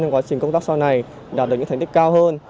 trong quá trình công tác sau này đạt được những thành tích cao hơn